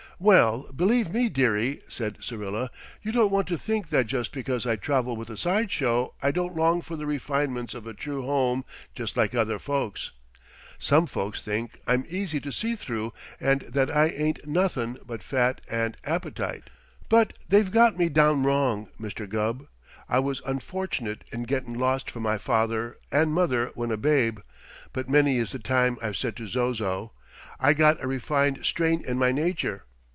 "Well, believe me, dearie," said Syrilla, "you don't want to think that just because I travel with a side show I don't long for the refinements of a true home just like other folks. Some folks think I'm easy to see through and that I ain't nothin' but fat and appetite, but they've got me down wrong, Mr. Gubb. I was unfortunate in gettin' lost from my father and mother when a babe, but many is the time I've said to Zozo, 'I got a refined strain in my nature.'